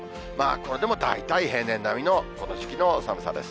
これでも大体平年並みの、この時期の寒さです。